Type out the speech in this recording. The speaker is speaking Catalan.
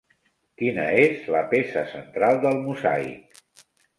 Quina és la peça central del mosaic?